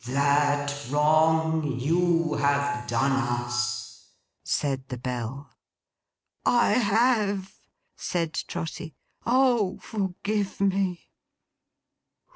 That wrong you have done us!' said the Bell. 'I have!' said Trotty. 'Oh forgive me!